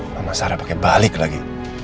nama sarah pakai balik lagi